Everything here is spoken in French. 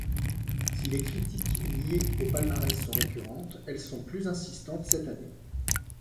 Si les critiques liés au palmarès sont récurrentes, elles sont plus insistantes cette année.